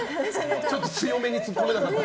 ちょっと強めにツッコむところだった。